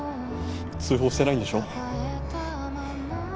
通報してないんでしょ？